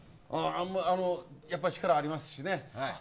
やっぱり力ありますしね。